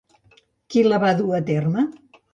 Qui la va dur a terme?